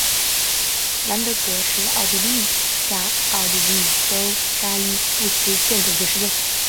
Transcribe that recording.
兰德格是奥地利下奥地利州沙伊布斯县的一个市镇。